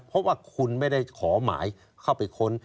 เพราะว่าคุณไม่ได้ขอหมายเข้าไปค้น